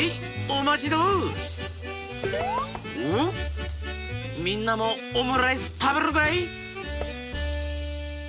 おみんなもオムライスたべるかい？